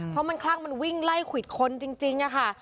เพราะมันคลั่งมันวิ่งไล่ขวิดคนจริงค่ะ